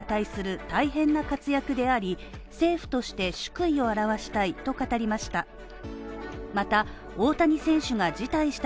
今年の活躍は、国民栄誉賞に値する大変な活躍であり、政府として祝意を表したいと語りました。